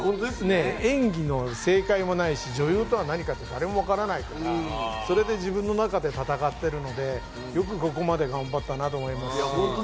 演技の正解もないし、女優とは何かというのは誰も分からないから、それで自分の中で闘ってるので、よくここまで頑張ったなと思います。